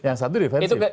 yang satu defensif